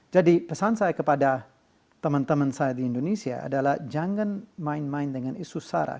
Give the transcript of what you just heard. jadi pesan saya kepada teman teman saya di indonesia adalah jangan main main dengan isu sarah